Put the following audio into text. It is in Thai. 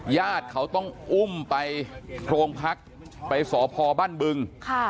ญาติเขาต้องอุ้มไปโรงพักไปสพบ้านบึง